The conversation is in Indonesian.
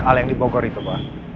al yang dibogori itu pak